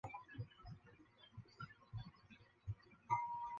布尔格伦根费尔德是德国巴伐利亚州的一个市镇。